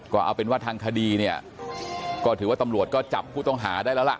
ก็เอาเป็นว่าทางคดีเนี่ยก็ถือว่าตำรวจก็จับผู้ต้องหาได้แล้วล่ะ